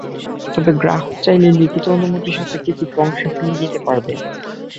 তবে গ্রাহক চাইলে লিখিত অনুমতি সাপেক্ষে কিছু অংশের প্রিন্ট নিতে পারবেন।